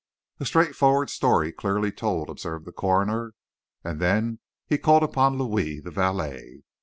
"A straightforward story, clearly told," observed the coroner, and then he called upon Louis, the valet.